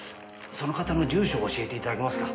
その方の住所教えて頂けますか？